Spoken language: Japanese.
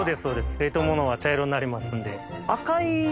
冷凍物は茶色になりますんで。